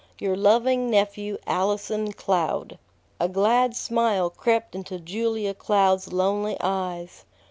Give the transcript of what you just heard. "Your loving nephew, "ALLISON CLOUD." A glad smile crept into Julia Cloud's lonely eyes.